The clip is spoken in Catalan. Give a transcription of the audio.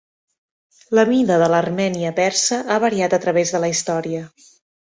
La mida de l'Armènia persa ha variat a través de la història.